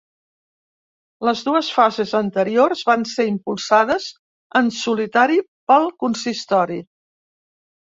Les dues fases anteriors van ser impulsades en solitari pel consistori.